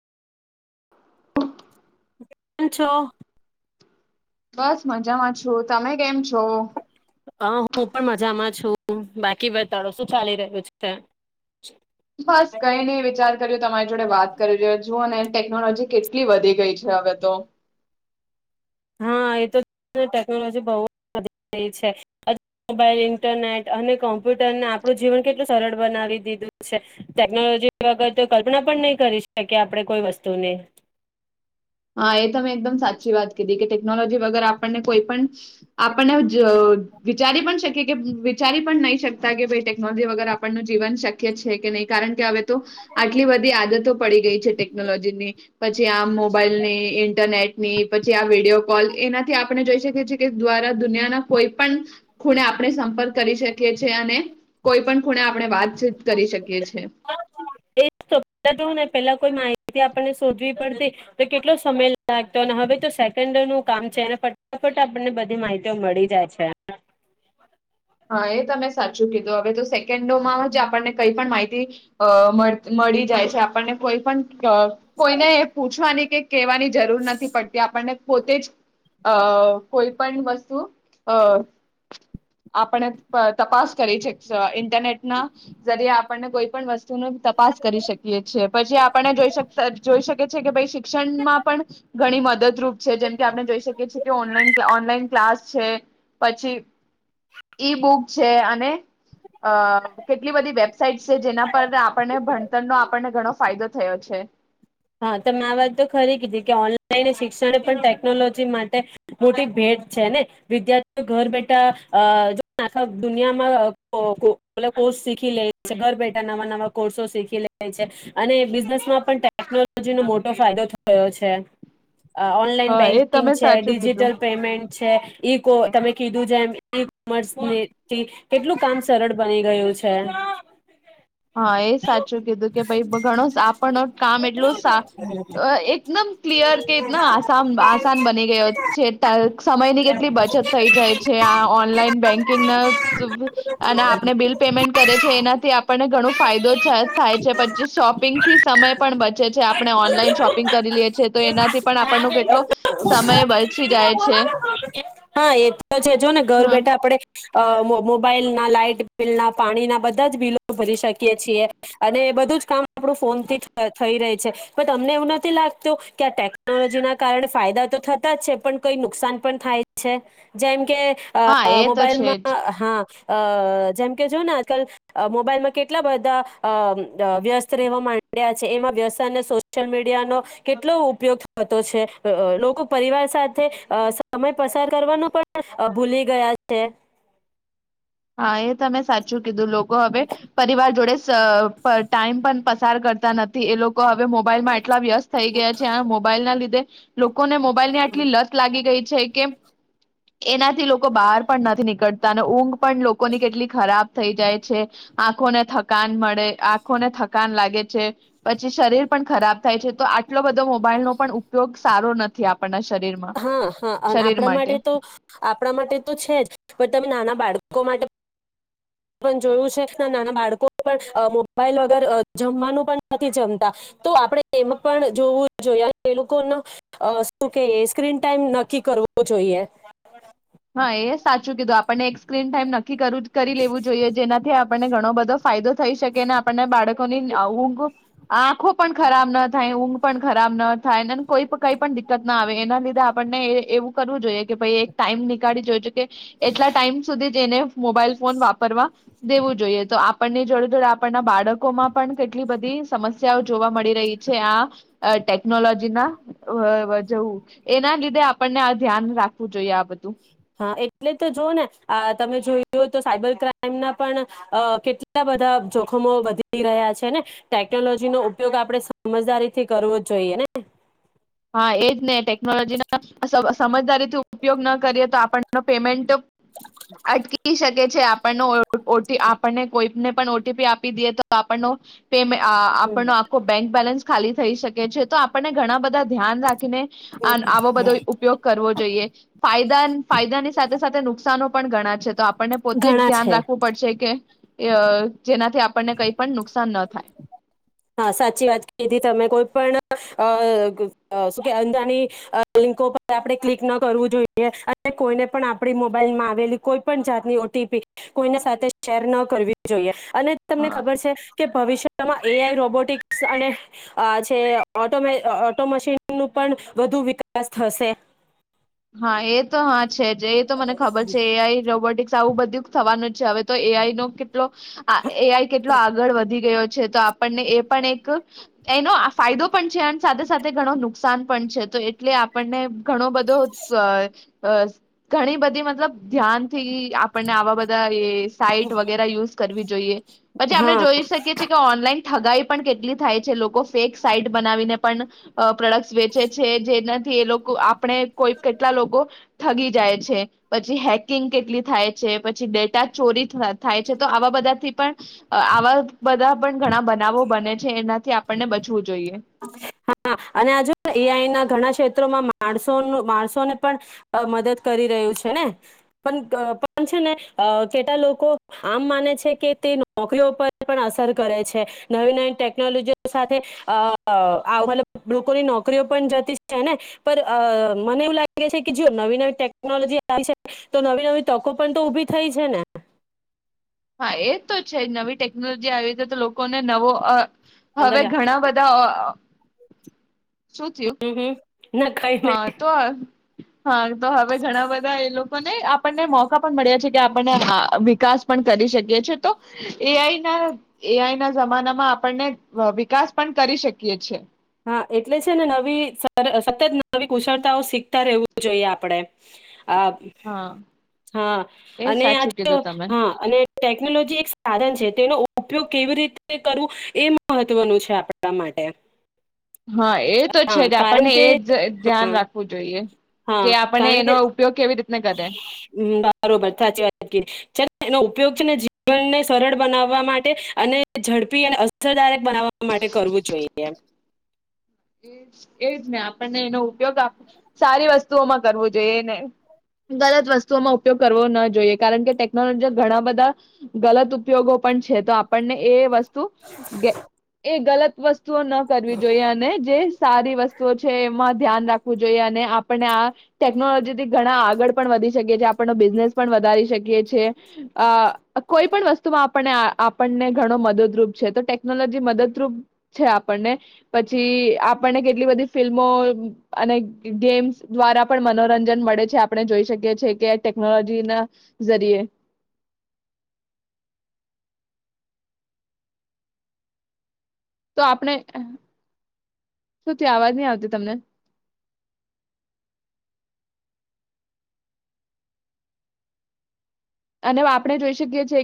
હ [inaudible] પાં છો? બસ મજામાં છું, તમે કેમ છો? અહ હું પણ મજામાં છું, બાકી બતાડો શું ચાલી રહ્યું છે? બસ કઈ નઈ, વિચાર કર્યો તમારી જોડે વાત કરી છું અને ટેકનોલોજી કેટલી વધી ગઈ છે, હવે તો હા, એતો ટેકનોલોજી બહુ વધી ગઈ છે. [inaudible] મોબાઈલ ઇન્ટરનેટ અને કોમ્પ્યુટરને આપણું જીવન કેટલું સરળ બનાવી દીધું છે. ટેકનોલોજી વગરતો કલ્પના પણ નઈ કરી શકીએ, આપણે કોઈ વસ્તુની. હા એ તમે એકદમ સાચી વાત કીધી કે ટેકનોલોજી વગર આપણને કોઈ પણ, આપણને વિચારી પણ શકીએ કે વિચારી પણ નહીં શકતા કે ભાઈ ટેકનોલોજી વગર આપણનું જીવન શક્ય છે કે નહીં કારણ કે હવે તો આટલી બધી આદતો પડી ગઈ છે ટેકનોલોજીની પછી આમ મોબાઈલની ઇન્ટરનેટની પછી આ વિડીયો કોલ એનાથી આપણે જોઈ શકીએ છીએ કે દ્વારા દુનિયાના કોઈ પણ ખુણે આપણે સંપર્ક. કરી શકીએ છેએ અને. કોઈ પણ ખૂણે આપણે વાતચીત કરી શકીએ છીએ. એજ તો પેલા કોઈ મા માહિતી આપને શોધવી પડતી તો કેટલો સમય લાગતો અને હવે તો સેકન્ડ નું કામ છે અને ફટાફટ આપણને બધી માહિતીઓ મળી જાય છે. હા એ તમે સાચું કીધું હવે તો કેન્ડોમાં જ આપણને. કઈ પણ માહિતી અ મળ મળી જાય છે આપણને કોઈ પણ અ કોઈને એ પૂછવાની કે કહેવાની જરૂર નથી પડતી આપણને. પોતે જ અ કોઈ પણ વસ્તુ અ આપણે તપાસ કરી છે ઇન્ટરનેટ ના જરીે આપણને કોઈ પણ વસ્તુ તપાસ કરી શકીએ છીએ પછી આયોડે જો જોઈ શકી છેએ કે ભઈ શિક્ષણમાં પણ ઘણી મદદરૂપ છે જેમ કે આપણે જોઈ શકીએ છીએ કે ઓનલાન ઓનલાઈન ક્લાસ છે પછી ઈ બુક છે અને અ કેટલી બધી વેબસાાઈટ છે જેના પર આપણને ભણતરનો આપણને ઘણો ફાયદો થયો છે. હા તો મેં આ વાત તો ખરી કીધી કે ઓનલાઈન શિક્ષણ પણ ટેકનોલોજી માટે મોટી ભેટ છે ને વિદ્યાર્થીઓ ઘર બેઠા એ જો આખ દુનિયામાં કો કોર્સ શીખી લે છે ઘર બેઠા નવા નવા કોર્સો શીખી લે છે અને બિઝનેસમાં પણ. ટેકનોલોજીનો મોટો ફાયદો થયો છે. અ ઓનલાઈન હા એ બેંકિંગ તમે છે સાચું કીધું ડિજિટલ પેમેન્ટ છે. ઈ કો તમે કીધું જેમ. કોમર્ થી કેટલું કામ સરળ બને. ગયું છે. હા એ સાચું કીધું કે ભાઈ ઘણો આપણ કામ એકદમ ક્લિયર કે ઇતના આસામ આસાન બની ગયો છે ટેન્ક સમયની કેટલી હા બચત એ તો થઈ જાય છે આ ઓનલાઈન બેંકિંગ ના અને આપણે બિલ પેમેન્ટ કરે છે એનાથી ઘણો ફાયદો થાય છે પછી શોપિંગથી સમય પણ બચે આપણે ઓનલાઈન શોપિંગ કરી લઈ છે તો એનાથી પણ આપણનો કેટલો સમય બચી જાય છે છે જો ને ઘર હમ્મ બેઠા આપણે અ મો મોબાઈલ ના લાાઈટ બિલ ના પાણીના બધા જ બિલો ભરી શકીએ છીએ અને બધું જ કામ આપણું ફોનથી જ થઈ રહી છે પણ તમને એવું નથી લાગતું કે આ ટેકનોલોજી ના કારણે ફાયદા તો થતા જ છે પણ કઈ નુકસાન પણ થાય છે જેમ કે અ હા એ તો છે જ મોબાઈલમાં હા. અ જેમ કે જોયને આજકાલ અ મોબાઈલમાં કેટલા બધા અ અમ યસ્ત રહેવા માંડ્યા છે એમાં વ્યવાયને સોશિયલ મીડિયાનો કેટલો ઉપયોગ થતો છે અ લોકો પરિવાર સાથે અ સમય પસાર કરવાનો પણ અ ભૂલી ગયા છે. હા એ તમે સાચું કીધું હવે પરિવાર જોડે ટાઈમ પણ પસાર કરતા નથી એ લોકો હવે મોબાઈલમાં એટલા વ્યસ્ત થઈ ગયા છે. મોબાઈલ ના લીધે લોક લોકોને મોબાઈલની આટલી લત લાગી ગઈ છે કેમ એના થી લોકો બહાર પણ નથી નીકળતા અને ઊંઘ લોકોની કેટલી ખરાબ થઈ જાય છે આંખોને થકાન મળે આંખોને થકાન લાગે પછી શરીર પણ ખરાબ થાય છે તો આટલો બધો મોબાઈલનો પણ ઉપયોગ સારો નથી આપ હા હા અને આપણા માટે તો આપણા માટે તો છે જ પણ તમે નાના બાળકો કો માટે પણ જોયું છે નાના બાળકો પણ મોબાઈલ વગર જમવાનું પણ નથી જમતા તો આપણે એમાં પણ જોવું જોઈએ એ લોકોનો શું કેય એ સ્ક્રીન ટાઈમ નક્કી કરવો જોઈએ. હા એ સાચું કીધું આપણને એક સ્ક્રીન ટાઈમ નક્કી કરી લેવું જોઈએ જેનાથી આપણને ઘણો બધો ફાયદો થઈ શકે ને આપણને બાળકોની આવું [unintelligible] ગો આંખો પણ ખરાબ ન થાય ઊંઘ પણ ખરાબ ન થાય અને કોઈ કઈ પણ દિકકત ના આવે એના આપણને એવું કરવું જોઈએ. કે ભાઈ એક ટાઈમની ગાડી જોજ એટલા ટાઈમ સુધી જેને મોબાઈલ ફોન વાપરવા દેવું જોઈએ તો આપણને જોડે જોડે આપણના બાળકોમાં પણ કેટલી બધી સમસ્યાઓ જોવા મળી રહી છે આ ટેકનોલોજીના જવું એના લીધે આપણને આ ધ્યાન રાખવું જોઈએ આ બધું હા એટલે તો જો ને આ તમે જોયઓ તો સાયબર ક્રાઈમના પણ કેટલા બધા જોખમો વધી રહ્યા છે ને ટેકનોલોજીનો ઉપયોગ આપણે સમજદારીથી કરવો જ જોઈએ ને હા એજ ટેકનોલોજીના સમજદારી ઉપયોગ ન કરીએ તો આપણે નો પેમેન્ટ અટકી શકે છે આપણનો ઓટી આપણને કોઈ ને પણ ઓટીપી આપી દઈએ તો આપણનો પેમે હમ, આપણનો આખો બેંક બેલેન્સ ખાલી થઈ શકે છે તો આપણને ઘણા બધા ધ્યાન રાખીને આન આવો બધો ઉપયોગ કરવો જોઈએ ફાયદા ફાયદાની સાથે સાથે નુકસાન પણ ગણા છે તો આપ આપણને પોતે જ ઘણા ધ્યાન છે. રાખવું પડશે કે એ અ જેનાથી આપણને કંઈ પણ નુકસાન ન થાય હહ સાચી વાત કીધી તમે કોઈ પણ અ શું કે અંજાની અ લિંકો પર આપણે ક્લિક ન કરવું જોઈએ અને કોઈને પણ આપડી મોબાઈલમાં આવેલી કોઈ પણ જાતની ઓટીપી કોઈના સાથે શેર ન કરવી જોઈએ અને તમને હા. ખબર છે કે ભવિષ્ય [unintelligible] એ આઈ રોબોટિક્સ અને આ છે ઓટો મે ઓટો મશીન નું પણ વધુ વિકાસ થશે હા એ જ તો હા છે જ એ તો મને ખબર છે એ આઈ રોબોટિક્સ આવું બધું થવાનું હવે તો એ આઈ નો કે કેટલો આ એ આઈ કેટલો આગળ વધી ગયો છે તો આપણને એ પણ એક એનો આ ફાયદો પણ છે અને સાથે સાથે ઘણો નુક સાન પણ છે તો એટલે આપણને ઘણો બધો અ ઘણી બધી મતલબ ધ્યાનથી આપણને આવા બધા એ સાઈટ વગેરા યુસ કરવી જોઈએ પછી આપણે હા જોઈ શકીએ છીએ કે ઓનલાઈન ઠગાઈ પણ કેટલી થાય છે લોકો ફેક સાઈટ બનાવીને પણ અ પ્રોડક્ટસ વેચે છે જેનાથી એ લોકો આપણે કોઈ કેટલા લોકો ઠગી જાય છે પછી હેકિંગ કેટલી થાય છે પછી ડેટા ચોરી થા થાય છે તો આવા બધાથી પણ આવા બધા પણ ઘણા બનાવો બને છે એનાથી આપ આપણને બચવું જોઈએ હા અને આ જે એ આઈ ના ઘણા છે તો આમાં માણસોનું માણસોને પણ અ મદદ કરી રહ્યું છે ને પન અ પન છે ને અ કેટલા લોકો આમ માને છે કે તે નોકરીઓ પર પણ અસર કરે છે નવી નવી ટેકનોલોજીઓ સાથે અ અ આવું મતલબ લોકોની નોકરીઓ પણ જતી છે ને પણ અ મને એવું લાગે છે કે જો નવી નવી ટેકનોલોજી આવી છે તો નવી નવી તકો પણ તો ઉભી થઈ છે ને હા એ તો છે નવી ટેકનોલોજી આવી રીતી તો લોકોને નવો અ અંદર હવે જા ઘણા બધા અ અ હું હું હા તો આ [inaudible] હા તો હવે ઘણા બધા એ લોક અને આપણને મોકા પણ મળ્યા છે કે આપણને વિકાસ પણ કરી શકીએ છેએ તો એ આઈ ના એ આઈ ના જમાનામાં આપણને વિકાસ પણ કરી શકીએ છીએ એટલે છે ને નવી સતત નવી કુશળતાઓ શીખતા રહેવું જોઈએ આપડે આ હા હા એ અને સાચું આજે કીધું તમે હા અને ટેકનોલોજી એક સાધન છે. તેનો ઉપયોગ કેવી રીતે કરવું એ મહત્વનું છે આપણા માટે. હા એ તો હા છે જ કારણ આપણને કે એ જ હા ધ્યાન રાખવું જોઈએ. કે હા આપને કારણ એનો કે ઉપયોગ કેવી રીતને કરે. હમ, ઉપયોગને જીવનને સરળ બનાવવા માટે. અને ઝડપી અને અસરદાયક બનાવવા માટે કરવું જોઈએ. એજ ને આપણને એનો ઉપયોગ સારી વસ્તુઓમાં કરવો જોઈએ. ને ગલત વસ્તુઓમાં ઉપયોગ કરવો ના જોઈએ. કારણ કે ટેકનોલોજી ઘણા બધા ગલત ઉપયોગો પણ છે. તો આપણને એ કે એ ગલત વસ્ તો ન કરવી જોઈએ. અને સારી વસ્તુઓ છે. એમાં ધ્યાન રાખવું જોઈએ. અને આપણને આ ટેકનોલોજીથી ઘણા આગળ પણ વધી શકીએ છી. આપણનો બિઝનેસ પણ વધારી શકીએ છીએ. કોઈ પણ વસ્તુમાં આપને આપણને ઘણો મદદરૂપ છે. તો ટેકનોલોજી મદદરૂપ છે. આપણને પછી આપણને કેટલી બધી ફિલ્મો અને ગેમ્સ દ્વારા પણ મનોરંજન મળે છે. આપણે જોઈ શકીએ છીએ કે ટેકનોલોજી ના જરીયે. તો આપણે શું થયું. અવાજ નથી આવતી તમને અને આપડે જોઈ શકીએ છીએ